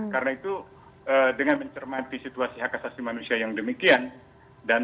karena itu dengan mencermati situasi hak asasi manusia yang demikian